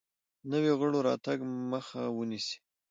نویو غړو راتګ مخه ونیسي.